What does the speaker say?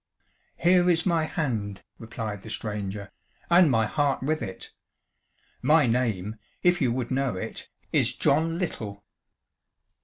"Here is my hand," replied the stranger, "and my heart with it. My name, if you would know it, is John Little."